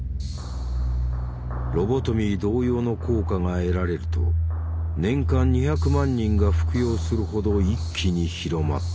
ロボトミー同様の効果が得られると年間２００万人が服用するほど一気に広まった。